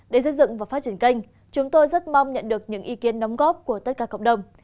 để xây dựng và phát triển kênh chúng tôi rất mong nhận được những ý kiến đóng góp của tất cả cộng đồng